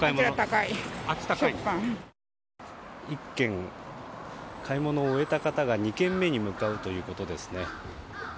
１軒買い物を終えた方が２軒目に向かうということです。